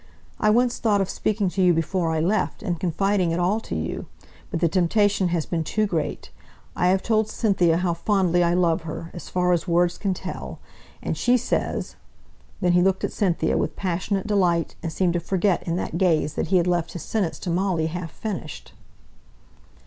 I once thought of speaking to you before I left, and confiding it all to you. But the temptation has been too great, I have told Cynthia how fondly I love her, as far as words can tell; and she says " then he looked at Cynthia with passionate delight, and seemed to forget in that gaze that he had left his sentence to Molly half finished.